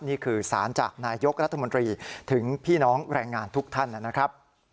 นี่คือสารจากนายกรัฐมนตรีถึงพี่น้องแรงงานทุกท่านนะครับ